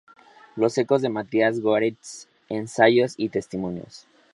Los Ecos de Mathias Goeritz, ensayos y testimonios.